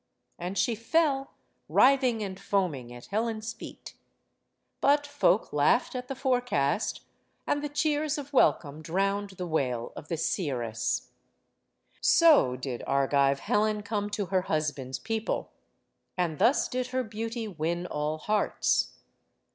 And she fell, writhing and foaming, at Helen's feet. But folk laughed at the forecast, and the cheers of welcome drowned the wail of the seeress. So did Argive Helen come to her husband's people. And thus did her beauty win all hearts.